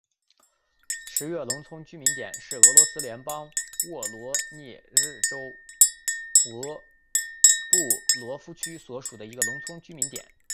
十月农村居民点是俄罗斯联邦沃罗涅日州博布罗夫区所属的一个农村居民点。